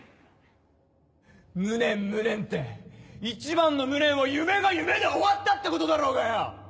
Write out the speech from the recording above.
無念無念って一番の無念は夢が夢で終わったってことだろうがよ！